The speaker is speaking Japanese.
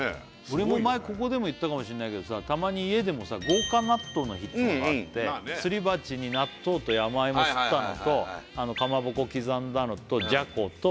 俺も前ここでも言ったかもしんないけどさたまに家でもさ豪華納豆の日っつうのがあってすり鉢に納豆と山芋すったのとはいはいはいはいはいかまぼこ刻んだのとじゃこと